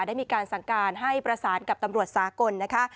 ได้มีการสั่งการให้ประสานกับตำรวจสากลนะคะ